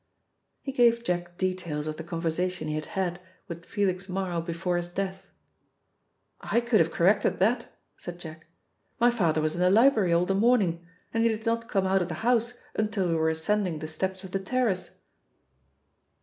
He gave Jack details of the conversation he had had with Felix Marl before his death. "I could have corrected that," said Jack. "My father was in the library all the morning, and he did not come out of the house until we were ascending the steps of the terrace."